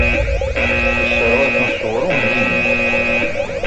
Isseṛwa-ten s uɣrum n yigenni.